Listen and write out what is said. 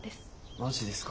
マジですか？